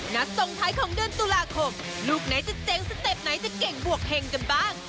ส่งท้ายของเดือนตุลาคมลูกไหนจะเจ๊งสเต็ปไหนจะเก่งบวกเห็งกันบ้าง